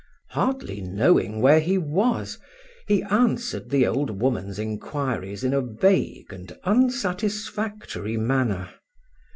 Hardly knowing where he was, he answered the old woman's inquiries in a vague and unsatisfactory manner.